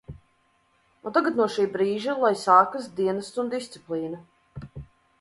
Un tagad no šī brīža, lai sākas dienests un disciplīna.